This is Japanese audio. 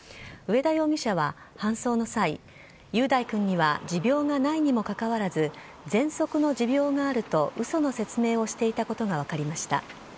上田容疑者は、搬送の際、雄大君には持病がないにもかかわらず、ぜんそくの持病があるとうその説明をしていたことが分かりました。